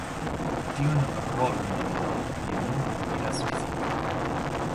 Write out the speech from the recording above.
Tiun rolmodelon ni nun iras viziti.